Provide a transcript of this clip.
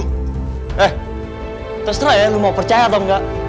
eh terserah ya lo mau percaya atau nggak